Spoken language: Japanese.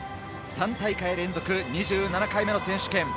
３大会連続２７回目の選手権。